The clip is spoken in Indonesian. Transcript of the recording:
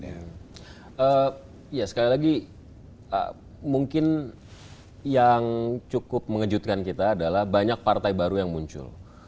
ya sekali lagi mungkin yang cukup mengejutkan kita adalah banyak partai baru yang muncul